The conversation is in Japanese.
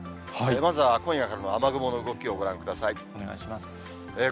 まずは今夜からの雨雲の動きをご覧ください。